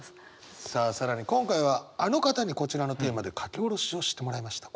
さあ更に今回はあの方にこちらのテーマで書き下ろしをしてもらいました。